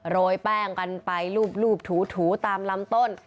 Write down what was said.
โรยแป้งกันไปลูบถูตามลำต้น